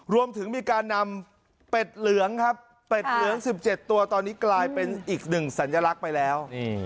รวมถึงมีการนำเป็ดเหลืองครับเป็ดเหลือง๑๗ตัวตอนนี้กลายเป็นอีกหนึ่งสัญลักษณ์ไปแล้ว